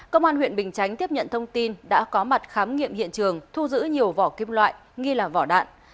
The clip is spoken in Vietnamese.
công an huyện bình chánh tiếp nhận thông tin đã có mặt khám nghiệm hiện trường thu giữ nhiều vỏ kim loại nghi là vỏ đạn